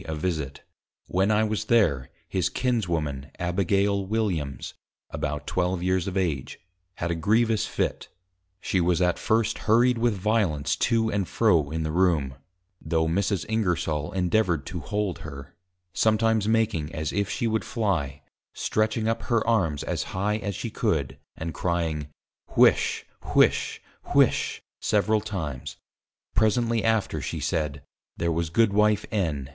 _ a Visit. When I was there, his Kinswoman, Abigail Williams, (about 12 Years of Age) had a grievous fit; she was at first hurried with violence to and fro in the Room (though Mrs. Ingersol endeavoured to hold her) sometimes making as if she would fly, stretching up her Arms as high as she could, and crying, Whish, Whish, Whish, several times; presently after she said, there was Goodw. _N.